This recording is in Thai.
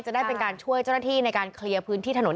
จะได้เป็นการช่วยเจ้าหน้าที่ในการเคลียร์พื้นที่ถนน